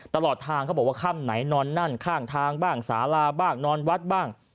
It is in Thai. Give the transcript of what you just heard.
ตลอดทางเขาบอกว่าค่ำไหนนอนนั่นข้างทางบ้างสาลาบ้างนอนวัดบ้าง